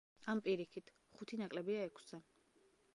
ან პირიქით, ხუთი ნაკლებია ექვსზე.